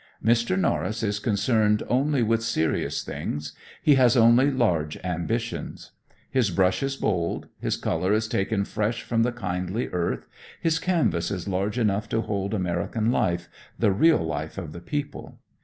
Mr. Norris is concerned only with serious things, he has only large ambitions. His brush is bold, his color is taken fresh from the kindly earth, his canvas is large enough to hold American life, the real life of the people.